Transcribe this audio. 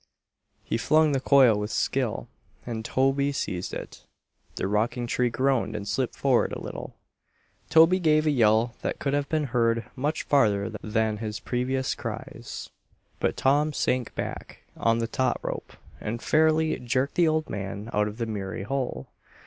He flung the coil with skill and Toby seized it. The rocking tree groaned and slipped forward a little. Toby gave a yell that could have been heard much farther than his previous cries. But Tom sank back on the taut rope and fairly jerked the old man out of the miry hole.